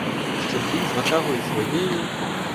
Щоб він з ватагою своєю